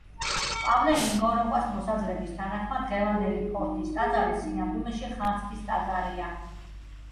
პავლე ინგოროყვას მოსაზრების თანახმად დღევანდელი ფორთის ტაძარი სინამდვილეში ხანძთის ტაძარია.